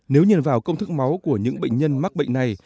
nếu nhìn vào công thức máu của những bệnh nhân mắc bệnh này